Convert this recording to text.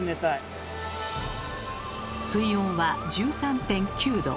水温は１３．９℃。